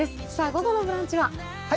午後の「ブランチ」は？